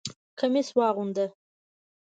کمیس واغونده!